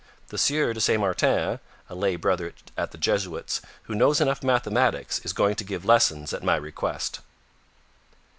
The Sieur de Saint Martin (a lay brother at the Jesuits), who knows enough mathematics, is going to give lessons at my request.